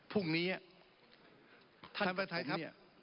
พรุ่งนี้ท่านประธานครับ